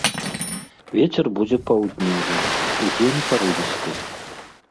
Вецер будзе паўднёвы, удзень парывісты.